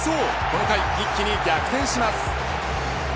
この回、一気に逆転します。